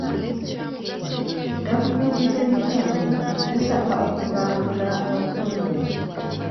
Gavumenti z'ebitundu zisaba okubangula abakungu.